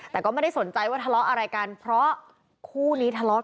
แต่ก็ไม่ได้สนใจว่าทะเลาะอะไรกันเพราะคู่นี้ทะเลาะ